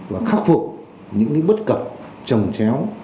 và khắc phục những bất cập trồng chéo